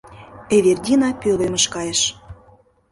Эвердина пӧлемыш кайыш.